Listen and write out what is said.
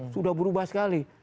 sudah berubah sekali